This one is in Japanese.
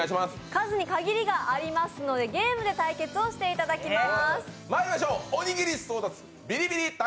数に限りがありますので、ゲームで対決をしていただきます。